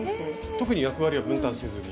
特に役割は分担せずに。